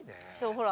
ほら。